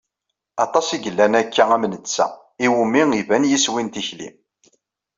Aṭas i yellan akka am netta, iwumi iban yiswi n tikli.